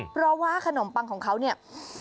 เพราะว่าขนมปังของเขาเนี่ย